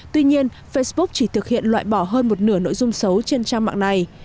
tuy nhiên facebook chỉ thực hiện loại bỏ hơn một nửa nội dung xấu trên trang mạng này